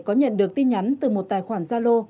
có nhận được tin nhắn từ một tài khoản gia lô